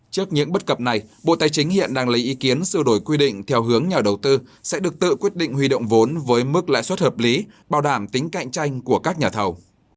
trước những bất cập này bộ tài chính hiện đang lấy ý kiến sự đổi quy định theo hướng nhà đầu tư sẽ được tự quyết định huy động vốn với mức lãi suất hợp lý bảo đảm tính cạnh tranh của các nhà thầu